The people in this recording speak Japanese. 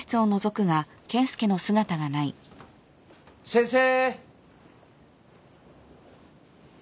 先生。